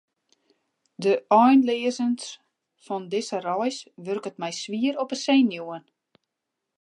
De einleazens fan dizze reis wurket my swier op 'e senuwen.